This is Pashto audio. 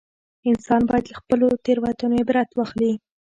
انسان باید له خپلو تېروتنو عبرت واخلي